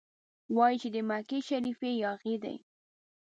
وايي چې د مکې شریف یاغي دی.